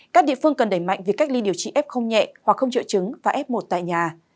các địa phương cần đẩy mạnh việc cách ly điều trị f nhẹ hoặc không triệu chứng và f một tại nhà